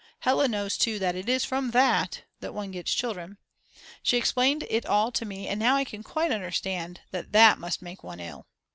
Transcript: Hella knows too that it is from that that one gets children. She explained it all to me and now I can quite understand that that must make one ill.